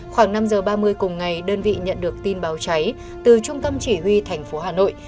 khoảng năm h ba mươi cùng ngày đơn vị nhận được tin báo cháy từ trung tâm chỉ huy tp hà nội